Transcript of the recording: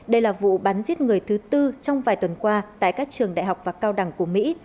đây là vụ bắn giết người thứ tư trong vài tuần qua tại các trường đại học và cao đẳng của mỹ